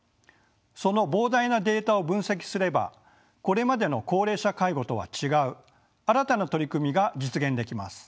その膨大なデータを分析すればこれまでの高齢者介護とは違う新たな取り組みが実現できます。